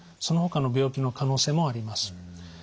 そのほかの病気の可能性もあります。